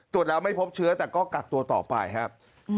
ตรวจแล้วไม่พบเชื้อแต่ก็กักตัวต่อไปครับ